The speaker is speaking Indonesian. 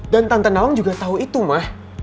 dan tante naong juga tau itu ma